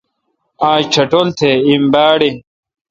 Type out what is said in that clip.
آج ٹٹھول تہ ایم باڑ این۔